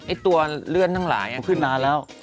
ตัวเลื่อนทั้งหลายขึ้นมาแล้ว